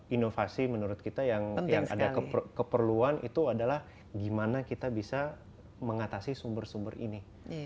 inovasi menurut kita yang ada keperluan itu adalah gimana kita bisa mengatasi sumber sumber ini